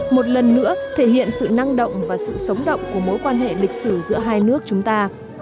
một lần nữa thể hiện sự năng động và sự sống động của mối quan hệ lịch sử giữa hai nước chúng ta